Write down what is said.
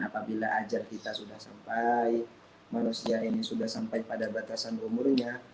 apabila ajar kita sudah sampai manusia ini sudah sampai pada batasan umurnya